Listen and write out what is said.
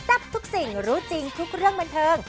ทับทุกสิ่งรู้จริงทุกเรื่องบันเทิง